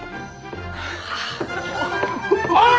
おい！